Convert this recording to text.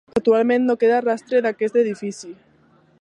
Actualment no queda rastre d'aquest edifici.